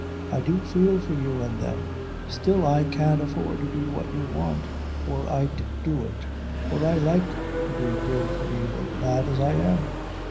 I do feel for you an' them; still I can't afford to do what you want, or I'd do it, for I like to do good for evil, bad as I am.